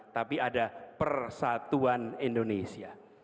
tapi ada persatuan indonesia